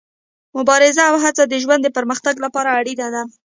مبارزه او هڅه د ژوند د پرمختګ لپاره اړینه ده.